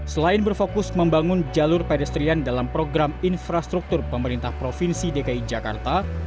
selain berfokus membangun jalur pedestrian dalam program infrastruktur pemerintah provinsi dki jakarta